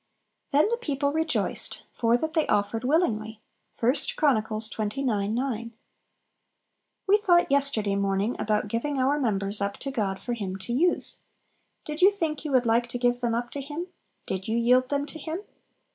"Then the people rejoiced, for that they offered willingly." I Chron. xxix. 9 We thought yesterday morning about giving our members up to God for Him to use. Did you think you would like to give them up to Him? did you yield them to Him?